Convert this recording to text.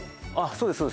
そうです